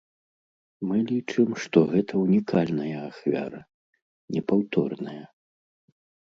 Мы лічым, што гэта ўнікальная ахвяра, непаўторная.